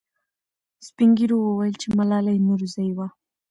سپین ږیرو وویل چې ملالۍ نورزۍ وه.